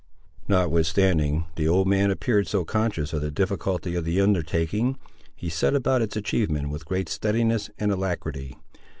Notwithstanding the old man appeared so conscious of the difficulty of the undertaking, he set about its achievement with great steadiness and alacrity.